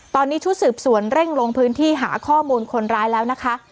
ตอนนี้ชุดสืบสวนเร่งลงพื้นที่หาข้อมูลคนร้ายแล้วนะคะ